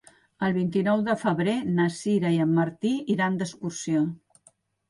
El vint-i-nou de febrer na Sira i en Martí iran d'excursió.